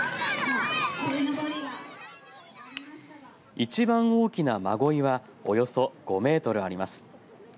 一番大きなまごいはおよそ５メートルあります。